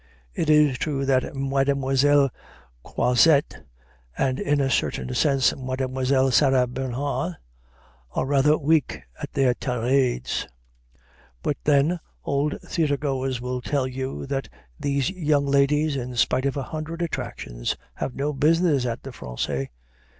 It is true that Mademoiselle Croizette, and in a certain sense Mademoiselle Sarah Bernhardt, are rather weak at their tirades; but then old theater goers will tell you that these young ladies, in spite of a hundred attractions, have no business at the Français.